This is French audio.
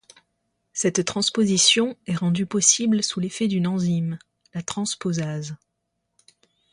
Cette transposition est rendue possible sous l'effet d'une enzyme, la transposase.